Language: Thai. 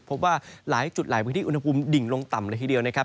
พบว่าหลายจุดหลายพื้นที่อุณหภูมิดิ่งลงต่ำเลยทีเดียวนะครับ